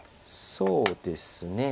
そうですね。